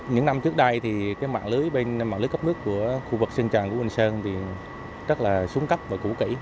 những năm trước đây mạng lưới cấp nước của khu vực sân tràn của ubnd sơn rất là xuống cấp và củ kỷ